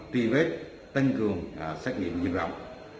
tri vết tăng cường xét nghiệm dân rộng